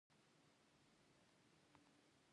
آیا د کاناډا بیمې شرکتونه لوی نه دي؟